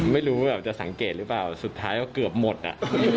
ไม่รู้แบบจะสังเกตหรือเปล่าสุดท้ายก็เกือบหมดอ่ะ